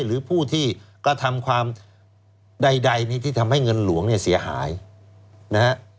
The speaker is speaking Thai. หรือผู้ที่กระทำความใดที่ทำให้เงินหลวงเนี่ยเสียหายนะฮะ